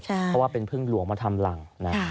เพราะว่าเป็นพึ่งหลวงมาทำรังนะ